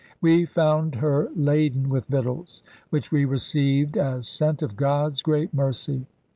We found her laden with victuals, which we received as sent of God's great mercy.'